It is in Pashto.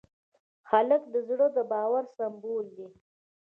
هلک د زړه د باور سمبول دی.